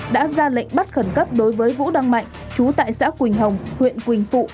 đã ra lệnh bắt khẩn cấp đối với vũ đăng mạnh chú tại xã quỳnh hồng huyện quỳnh phụ